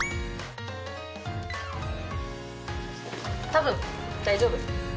多分大丈夫！